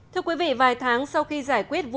thưa quý vị vài tháng sau khi giải quyết vụ